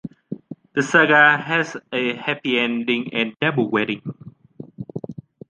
The saga has a happy ending and double wedding.